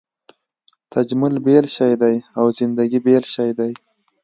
تجمل بېل شی دی او زندګي بېل شی دی.